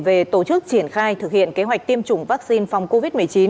về tổ chức triển khai thực hiện kế hoạch tiêm chủng vaccine phòng covid một mươi chín